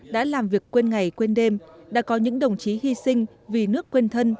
đã làm việc quên ngày quên đêm đã có những đồng chí hy sinh vì nước quên thân